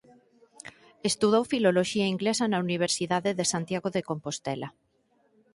Estudou Filoloxía Inglesa na Universidade de Santiago de Compostela.